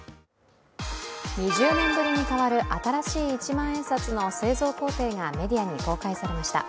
２０年ぶりに変わる新しい一万円札の製造工程がメディアに公開されました。